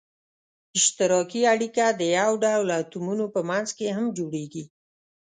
اشتراکي اړیکه د یو ډول اتومونو په منځ کې هم جوړیږي.